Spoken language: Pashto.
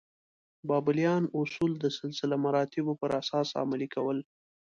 بابلیان اصول د سلسله مراتبو پر اساس عملي کول.